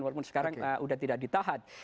walaupun sekarang sudah tidak ditahan